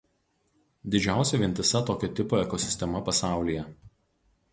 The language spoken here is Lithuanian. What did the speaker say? Didžiausia vientisa tokio tipo ekosistema pasaulyje.